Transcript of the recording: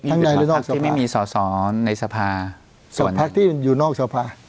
ทั้งในและนอกสภาพที่ไม่มีสอสอนในสภาส่วนพักที่อยู่นอกสภา